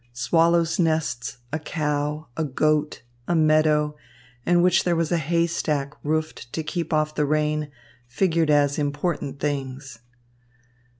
Swallows' nests, a cow, a goat, a meadow, in which there was a haystack roofed to keep off the rain, figured as important things.